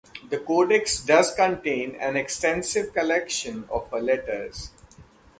The codex does contain an extensive collection of her letters.